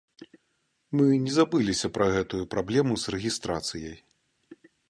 Мы не забыліся пра гэтую праблему з рэгістрацыяй.